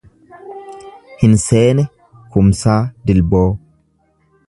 Hinseene Kumsaa Dilboo